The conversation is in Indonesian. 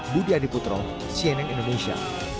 budi adiputro cnn indonesia